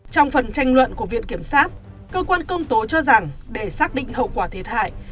trong phần tranh luận của viện kiểm sát cơ quan công tố cho rằng để xác định hậu quả thiệt hại